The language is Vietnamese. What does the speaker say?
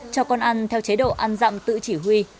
cho con ăn theo chế độ ăn dặm tự chỉ huy